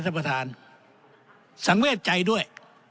ท่านประธานสังเวทใจด้วย